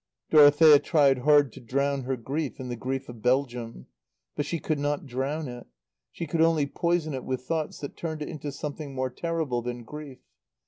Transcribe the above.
Dorothea tried hard to drown her grief in the grief of Belgium. But she could not drown it. She could only poison it with thoughts that turned it into something more terrible than grief.